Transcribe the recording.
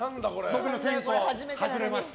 僕の先攻、外れました。